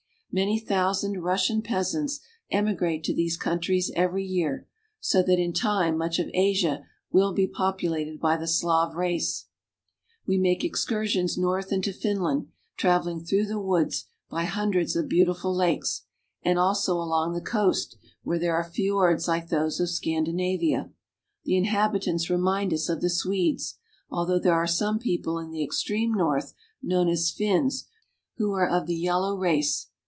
Many thousand Russian peasants emigrate to these coun tries every year, so that in time much of Asia will be populated by the Slav race. We make excursions north into Finland, traveling through the woods, by hundreds of beautiful lakes ; and also along the coast, where there are fiords like those of Scandinavia. The inhabitants remind us of the Swedes, although there are some people in the extreme north, known as Finns, who are of the yellow race.